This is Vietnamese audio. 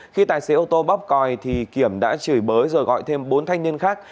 khi tài xế ô tô bóp còi thì kiểm đã chửi bới rồi gọi thêm bốn thanh niên khác